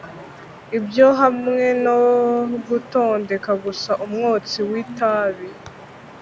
Ibyo hamwe no gutondeka gusa umwotsi witabi